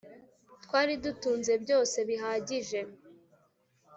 twari dutunze byose bihagaije